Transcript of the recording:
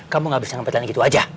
kamu gak bisa ngebet lain gitu aja